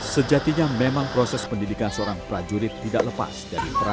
sejatinya memang proses pendidikan seorang prajurit tidak lepas dari peran